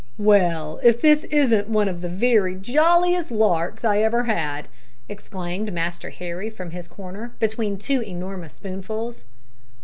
"Well, if this isn't one of the very jolliest larks I ever had!" exclaimed Master Harry from his corner, between two enormous spoonfuls.